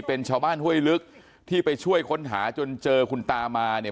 เป็นชาวบ้านห้วยลึกที่ไปช่วยค้นหาจนเจอคุณตามาเนี่ย